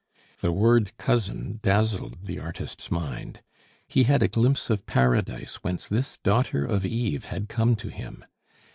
The word cousin dazzled the artist's mind; he had a glimpse of Paradise whence this daughter of Eve had come to him.